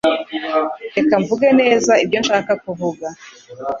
Reka mvuge neza icyo nshaka kuvuga